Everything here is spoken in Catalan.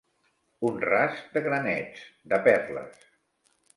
Un rast de granets, de perles.